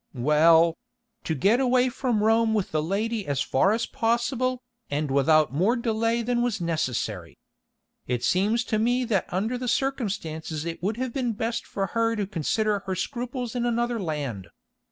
"Well—to get away from Rome with the lady as far as possible, and without more delay than was necessary. It seems to me that under the circumstances it would have been best for her to consider her scruples in another land.